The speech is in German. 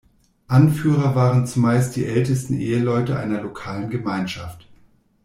Anführer waren zumeist die ältesten Eheleute einer lokalen Gemeinschaft.